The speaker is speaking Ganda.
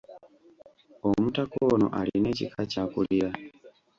Omutaka ono alina ekika ky'akulira.